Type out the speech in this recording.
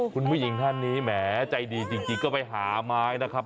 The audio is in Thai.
คุณผู้หญิงท่านนี้แหมใจดีจริงก็ไปหาไม้นะครับ